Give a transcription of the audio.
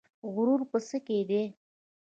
غرور په څه کې دی؟